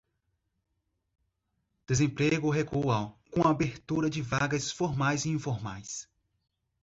Desemprego recua com abertura de vagas formais e informais